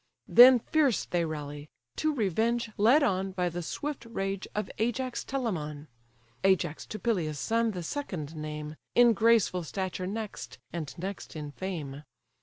Then fierce they rally, to revenge led on By the swift rage of Ajax Telamon. (Ajax to Peleus' son the second name, In graceful stature next, and next in fame.)